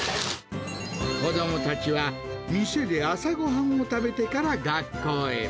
子どもたちは、店で朝ごはんを食べてから学校へ。